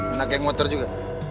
anak yang motor juga